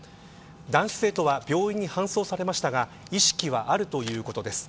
男子生徒は病院に搬送されましたが意識はあるということです。